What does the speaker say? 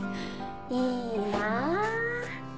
いいなぁ。